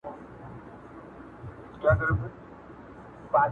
چي د دواړو سره توپير لري